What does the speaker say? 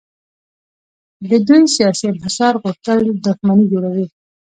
د دوی سیاسي انحصار غوښتل دښمني جوړوي.